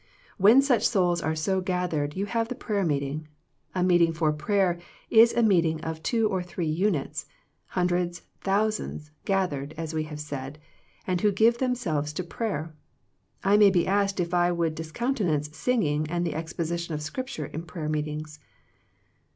When such souls are so gathered you have the prayer meeting. A meet ing for prayer is a meeting of two or three units, hundreds, thousands, gathered, as we have said, and who give themselves to prayer. I may be asked if I would discountenance singing and the exposition of scripture in prayer meetings.